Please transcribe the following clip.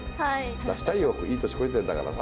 出したいよ、いい年こいてんだからさ。